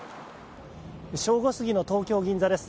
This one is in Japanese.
正午過ぎの東京・銀座です。